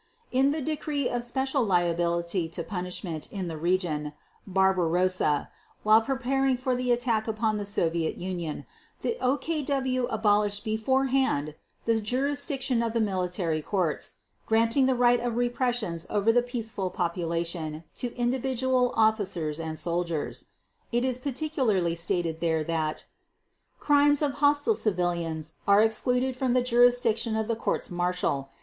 _ In the decree of special liability to punishment in the region "Barbarossa" while preparing for the attack upon the Soviet Union, the OKW abolished beforehand the jurisdiction of the military courts, granting the right of repressions over the peaceful population to individual officers and soldiers. It is particularly stated there that: "Crimes of hostile civilians are excluded from the jurisdiction of the courts martial